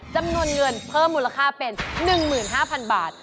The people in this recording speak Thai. จำนวนเงินเพิ่มมูลค่าเป็น๑๕๐๐๐บาท